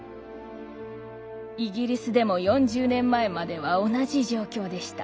イギリスでも４０年前までは同じ状況でした。